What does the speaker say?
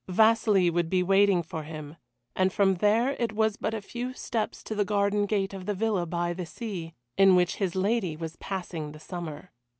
Vasili would be waiting for him, and from there it was but a few steps to the garden gate of the villa by the sea, in which his lady was passing the summer.